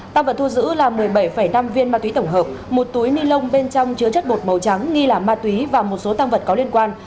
tăng vật thu giữ là một mươi bảy năm viên ma túy tổng hợp một túi ni lông bên trong chứa chất bột màu trắng nghi là ma túy và một số tăng vật có liên quan